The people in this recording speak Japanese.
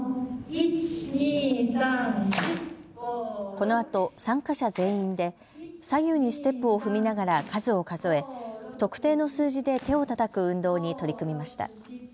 このあと参加者全員で左右にステップを踏みながら数を数え特定の数字で手をたたく運動に取り組みました。